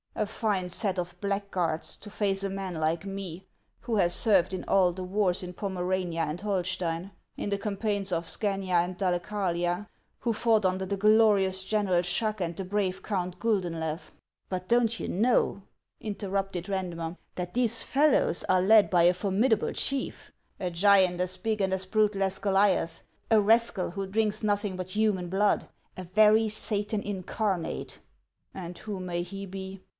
A fine set of blackguards to face a man like me, who has served in all the wars in Pomerania and Holsteiu, in the campaigns of Scania and Dalecarlia ; who fought under the glorious General Schack and the brave Count Guldeulew !"" But don't you know," interrupted Eandmer, " that these fellows are led by a formidable chief, — a giant as big and as brutal as Goliath, a rascal who drinks nothing but human blood, a very Satan incarnate ?"" And who may he be